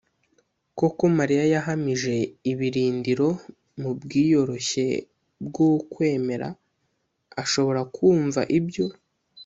koko mariya yahamije ibirindiro mu bwiyoroshye bw’ukwemera, ashobora kumva ibyo